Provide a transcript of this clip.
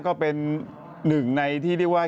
ก็เป็นหนึ่งในที่เรียกว่า